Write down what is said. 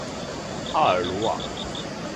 帕尔鲁瓦。